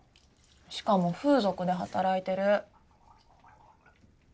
しかも風俗で働いてる。